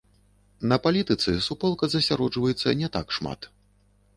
На палітыцы суполка засяроджваецца не так шмат.